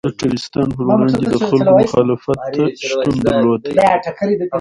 د ټرستانو پر وړاندې د خلکو مخالفت شتون درلود.